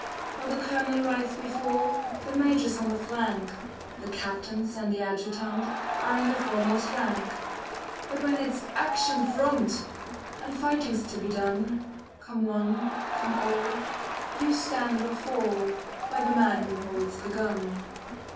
For the Colonel rides before, The Major's on the flank, The Captains and the Adjutant Are in the foremost rank. But when it's 'Action front!' And fighting's to be done, Come one, come all, you stand or fall By the man who holds the gun.